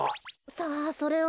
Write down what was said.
さあそれは。